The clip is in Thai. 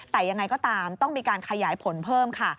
แต่ยังไงก็ตามต้องมีการขยายผลเพิ่มค่ะ